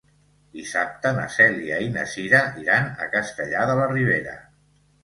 Dissabte na Cèlia i na Cira iran a Castellar de la Ribera.